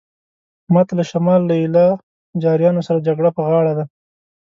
ماته له شمال له ایله جاریانو سره جګړه په غاړه ده.